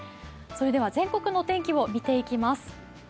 それでは全国の天気を見ていきます。